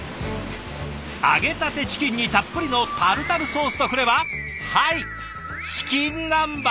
揚げたてチキンにたっぷりのタルタルソースとくればはいチキン南蛮。